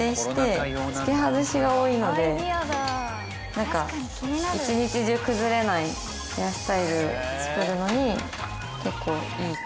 付け外しが多いのでなんか一日中崩れないヘアスタイル作るのに結構いい。